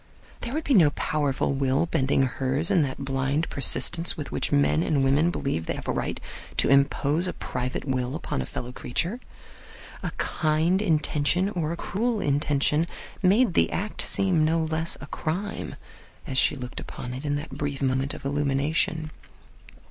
There would be no powerful will bending hers in that blind persistence with which men and women believe they have a right to impose a private will upon a fellow creature. A kind intention or a cruel intention made the act seem no less a crime as she looked upon it in that brief moment of illumination.